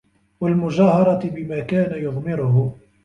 وَالْمُجَاهَرَةِ بِمَا كَانَ يُضْمِرُهُ